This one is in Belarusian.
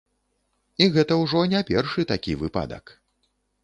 І гэта ўжо не першы такі выпадак.